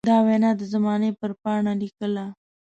دا وينا د زمانې پر پاڼه ليکله.